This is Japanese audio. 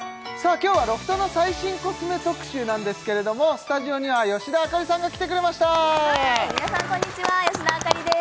今日はロフトの最新コスメ特集なんですけれどもスタジオには吉田朱里さんが来てくれました皆さんこんにちは吉田朱里です